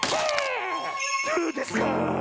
どぅですか